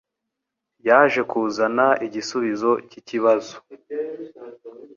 yaje kuzana igisubizo cyikibazo